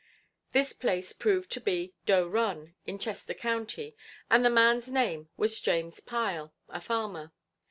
This place proved to be Doe Run, in Chester County, and the man's name was James Pile, a farmer.